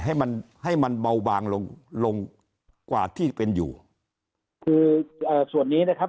ให้มันให้มันเบาบางลงลงกว่าที่เป็นอยู่คือเอ่อส่วนนี้นะครับ